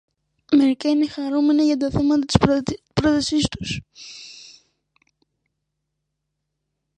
Μερικά είναι χαρούμενα για τα θαύματα της πρότασής τους